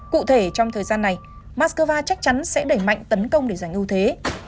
cụ thể trong thời gian này moscow chắc chắn sẽ đẩy mạnh tấn công để giành ưu thế